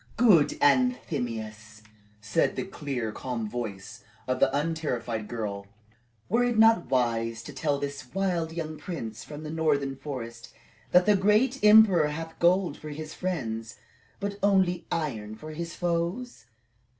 "Good Anthemius," said the clear, calm voice of the unterrified girl, "were it not wise to tell this wild young prince from the northern forest that the great emperor hath gold for his friends, but only iron for his foes?